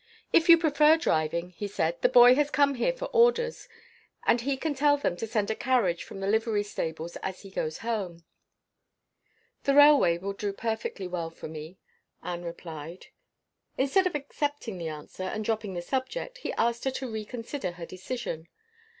"If you prefer driving," he said, "the boy has come here for orders, and he can tell them to send a carriage from the livery stables, as he goes home." "The railway will do perfectly well for me," Anne replied. Instead of accepting the answer, and dropping the subject, he asked her to reconsider her decision.